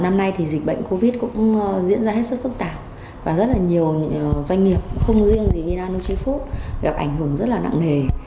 năm nay dịch bệnh covid một mươi chín cũng diễn ra hết sức phức tạp và rất là nhiều doanh nghiệp không riêng gì như là nuchifood gặp ảnh hưởng rất là nặng nề